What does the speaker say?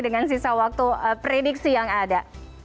dengan sisa waktu prediksi yang ada